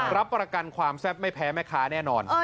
รับประกันความแซ่บไม่แพ้แม่ค้าแน่นอน